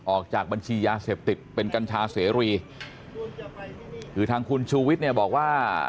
ออกจากบัญชียาเสพติดเป็นกัญชาเสรีคือทางคุณชูวิทย์เนี่ยบอกว่า